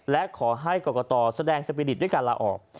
และขอให้กรกตแสดงสปีดิตด้วยการลาออก